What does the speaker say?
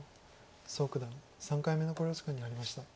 蘇九段３回目の考慮時間に入りました。